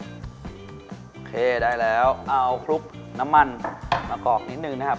โอเคได้แล้วเอาคลุกน้ำมันมากรอกนิดนึงนะครับ